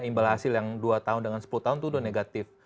imbal hasil yang dua tahun dengan sepuluh tahun itu sudah negatif